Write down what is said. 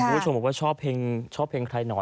ผู้ชมบอกว่าชอบเพลงใครนอน